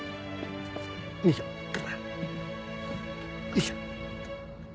よいしょ。